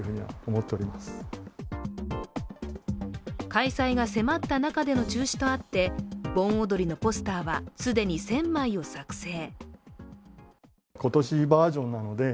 開催が迫った中での中止とあって盆踊りのポスターは既に１０００枚を作成。